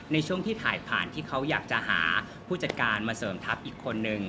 ในช่วงที่ถ่ายผ่านที่เขาอยากจะหาผู้จัดการมาเสริมทัพอีกคนนึง